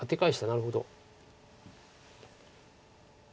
なるほど。